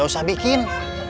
gak usah bikin